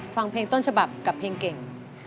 ฟังเพลงต้นฉบับกับเพลงเก่ง